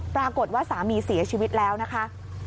ปรากฏว่าสามีเสียชีวิตแล้วนะคะ